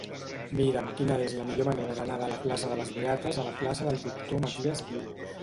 Mira'm quina és la millor manera d'anar de la plaça de les Beates a la plaça del Doctor Matias Guiu.